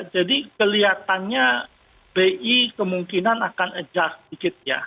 jadi kelihatannya bi kemungkinan akan adjust dikit ya